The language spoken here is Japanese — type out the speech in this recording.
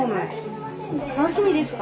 楽しみですか？